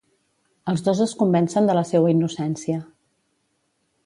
Els dos es convencen de la seua innocència.